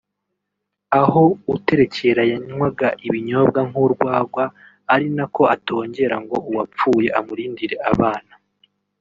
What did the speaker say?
aho uterekera yanywaga ibinyobwa nk’urwagwa ari na ko atongera ngo uwapfuye amurindire abana